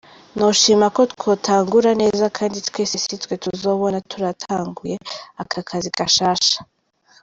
Noshima ko twotangura neza kandi twese si twe tuzobona turatanguye aka kazi gashasha.